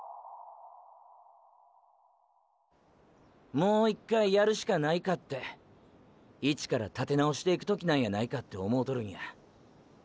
もう１回やるしかないかってイチから建て直していく時なんやないかって思うとるんや。